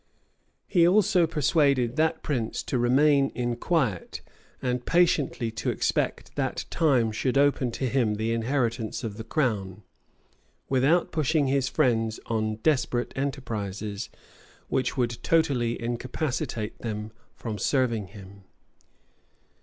He also persuaded that prince to remain in quiet, and patiently to expect that time should open to him the inheritance of the crown, without pushing his friends on desperate enterprises, which would totally incapacitate them from serving him.